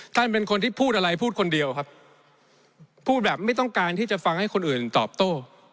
เป็นคนที่พูดอะไรพูดคนเดียวครับพูดแบบไม่ต้องการที่จะฟังให้คนอื่นตอบโต้